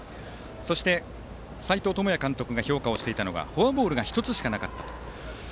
そして斎藤智也監督が評価をしていたのはフォアボールが１つしかなかった。